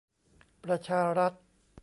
ประชารัฐ